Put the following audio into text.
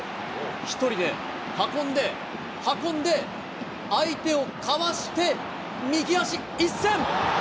１人で運んで、運んで、相手をかわして右足一閃。